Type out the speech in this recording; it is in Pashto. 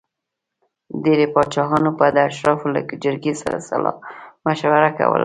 ډېری پاچاهانو به د اشرافو له جرګې سره سلا مشوره کوله.